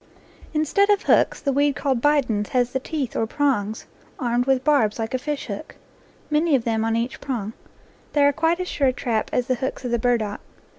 Instead of hooks, the weed called "bidens" has the teeth or prongs armed with barbs like a fish hook, many of them on each prong. They are quite as sure a trap as the hooks of the burdock.